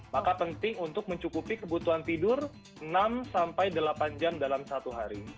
maka penting untuk mencukupi kebutuhan tidur enam sampai delapan jam dalam satu hari